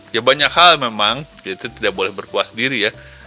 ya banyak hal memang itu tidak boleh berkuasa diri ya